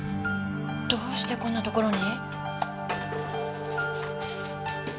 どうしてこんなところに？